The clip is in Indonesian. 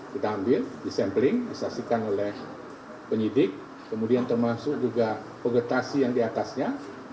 kita ambil disampling disaksikan oleh penyidik kemudian termasuk juga vegetasi yang diatasnya